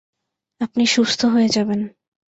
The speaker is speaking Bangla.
আপনি সুস্থ হয়ে যাবেন।